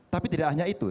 tapi tidak hanya itu